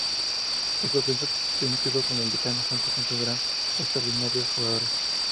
Y su primer título con el "Decano" junto a un grupo de extraordinarios jugadores.